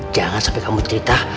jangan sampai kamu cerita